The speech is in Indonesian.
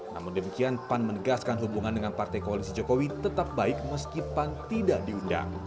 namun demikian pan menegaskan hubungan dengan partai koalisi jokowi tetap baik meski pan tidak diundang